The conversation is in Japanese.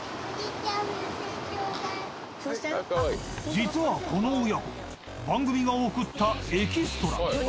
［実はこの親子番組が送ったエキストラ］